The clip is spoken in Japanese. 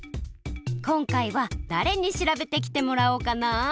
こんかいはだれに調べてきてもらおうかな？